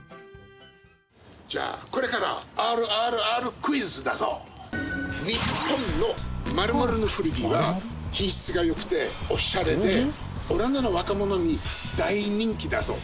じゃあこれからニッポンの○○の古着が品質が良くておしゃれでオランダの若者に大人気だそう。